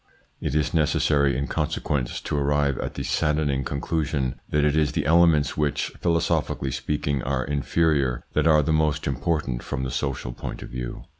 It is necessary, in consequence, to arrive at the saddening conclusion that it is the elements which, philosophically speaking, are inferior, that are the most important from the social point of view.